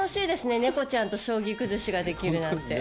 猫ちゃんと将棋崩しができるなんて。